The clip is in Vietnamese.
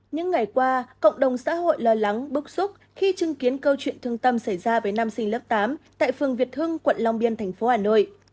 những ngày qua cộng đồng xã hội lo lắng bức xúc khi chứng kiến câu chuyện thương tâm xảy ra với nam sinh lớp tám tại phường việt hưng quận long biên thành phố hà nội